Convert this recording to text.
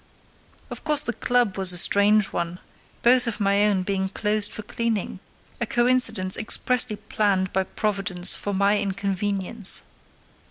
Of course the club was a strange one, both of my own being closed for cleaning, a coincidence expressly planned by Providence for my inconvenience.